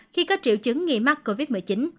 khi có triệu chứng nghi mắc covid một mươi chín